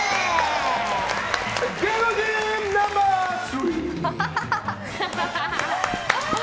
芸能人ナンバー３。